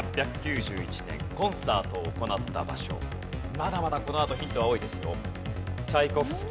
まだまだこのあとヒントは多いですよ。